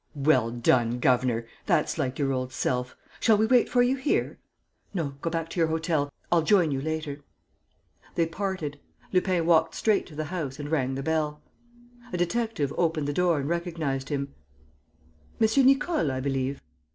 "Well done, governor! That's like your old self. Shall we wait for you here?" "No, go back to your hotel. I'll join you later." They parted. Lupin walked straight to the house and rang the bell. A detective opened the door and recognized him: "M. Nicole, I believe?"